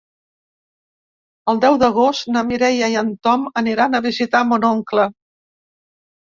El deu d'agost na Mireia i en Tom aniran a visitar mon oncle.